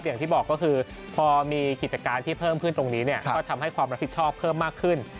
อย่างที่บอกก็คือพอมีกิจการที่เพิ่มขึ้นตรงนี้เนี่ยก็ทำให้ความรับผิดชอบเพิ่มมากขึ้น